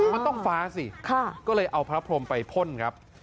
มันต้องฟ้าสิก็เลยเอาพระพรมไปพ่นครับ